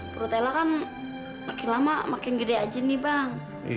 perutella kan makin lama makin gede aja nih bang